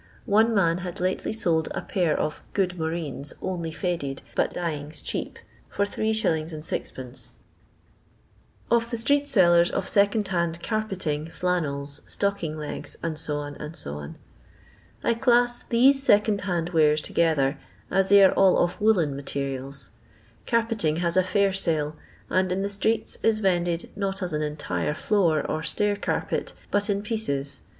One man had lately sold a pair of "good moreens, only faded, but dyeing 's cheap," for 3«. 6d. Of thb Stbbet Sellebs op Second hakd Car^ PETINQ, FlANNBLS, StOCKIBO LBOS, &C., &C. I CLASS these second hand wares together, as they are all of woollen materials. Carpeting has a fair sale, and in the streets is vended not as an entire floor or stair carpet, but in pieces.